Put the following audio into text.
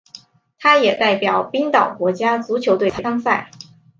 他也代表冰岛国家足球队参赛。